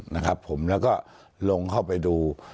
นะครับผมแล้วก็ลงเข้าไปดู